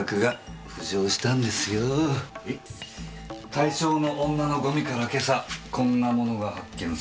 対象の女のゴミから今朝こんな物が発見されたんです。